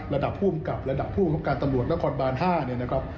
ระดับภูมิกับระดับภูมิกับการตำรวจแล้วก็คอนบาน๕